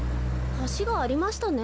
はしがありましたね。